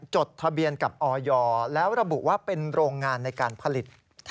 จดทะเบียนกับออยแล้วระบุว่าเป็นโรงงานในการผลิต